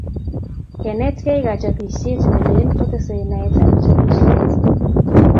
Kenetkei kachopisiet ne lel kotesei naetap chopisiet